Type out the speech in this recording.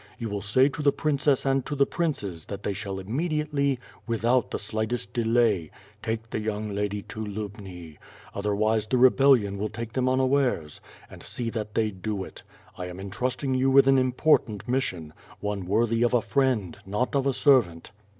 You will say to the princess and to the princes that they shall immediately, with out the slightest delay, take the young lady to Lubni; other wise, the rebellion will take them unawares — and see that they do it. I am intrusting you with an impori; ant mission, one worthy of a friend, not of a servant."